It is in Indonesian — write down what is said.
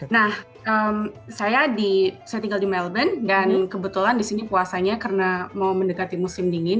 nah saya tinggal di melbourne dan kebetulan di sini puasanya karena mau mendekati musim dingin